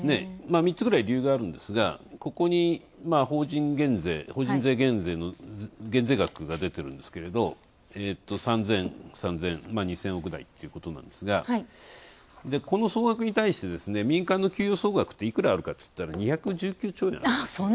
３つぐらい理由があるんですが、ここに法人減税、法人税減税の減税額が出てるんですけれど、３０００、２０００億台ということなんですがこの総額に対して、民間の給与総額っていくらあるっていったら２１９兆円あります。